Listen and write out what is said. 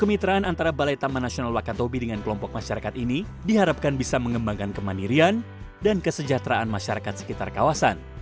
kemitraan antara balai taman nasional wakatobi dengan kelompok masyarakat ini diharapkan bisa mengembangkan kemandirian dan kesejahteraan masyarakat sekitar kawasan